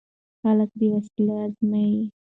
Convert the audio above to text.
خلک دا وسایل ازمويي.